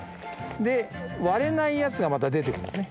で割れないやつがまた出て来るんですね。